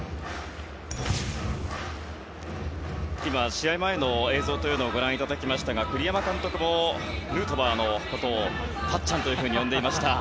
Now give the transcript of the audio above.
試合前の映像というのをご覧いただきましたが栗山監督もヌートバーのことをたっちゃんと呼んでいました。